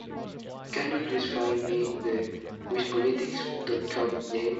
Can you please find me the Wispolitics.com game?